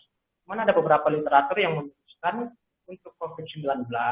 cuma ada beberapa literatur yang memutuskan untuk covid sembilan belas